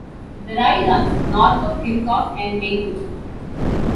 The Rye runs north of Kilcock and Maynooth.